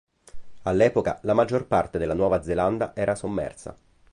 All'epoca, la maggior parte della Nuova Zelanda era sommersa.